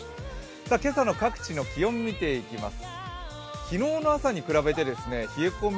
今朝の各地の気温を見ていきます。